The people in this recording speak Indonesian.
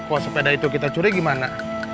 kok sepeda itu kita curi gimana